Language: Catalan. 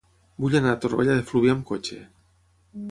Vull anar a Torroella de Fluvià amb cotxe.